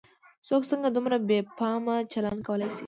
څوک څنګه دومره بې پامه چلن کولای شي.